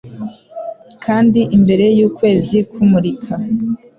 Kandi imbere y'ukwezi kumurika